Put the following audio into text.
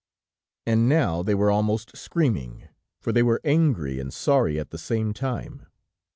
And now they were almost screaming, for they were angry and sorry at the same time.